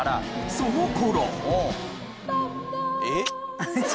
その頃。